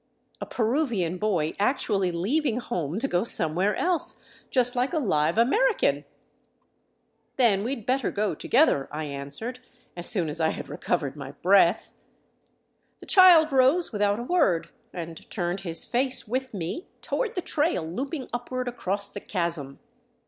A Peruvian boy actually leaving home to go somewhere else, just like a live American !" Then we 'd better go together," I answered, as soon as I had re covered my breath. The child rose without a word and turned his face with me toward the trail looping upward across the chasm.